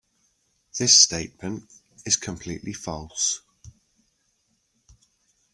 This statement is completely false.